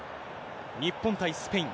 日本対スペイン。